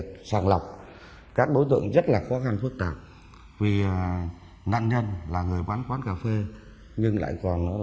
thì chúng tôi tập trung vô chỗ nạn nhân